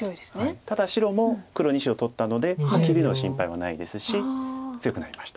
ただ白も黒２子を取ったので切りの心配はないですし強くなりました。